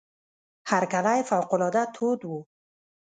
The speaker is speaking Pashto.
هرکلی فوق العاده تود وو.